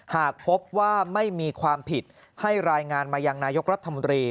หากพบว่าไม่มีความผิดให้รายงานมายังนายกรัฐมนตรี